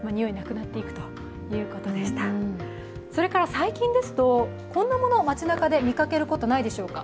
最近ですと、こんなものを街なかで見かけることはないでしょうか。